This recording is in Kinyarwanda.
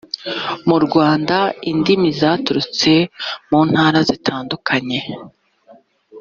mu rwanda indimi zaturutse mu ntara zitandukanye.